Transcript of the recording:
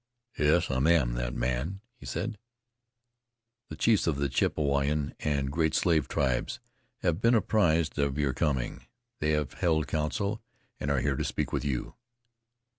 "Yes, I am the man," he said. "The chiefs of the Chippewayan and Great Slave tribes have been apprised of your coming. They have held council and are here to speak with you."